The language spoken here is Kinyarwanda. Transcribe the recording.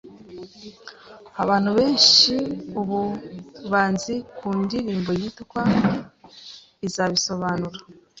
Abantu benshi ubu banzi ku ndirimbo yitwa ‘’izabisobanura’’,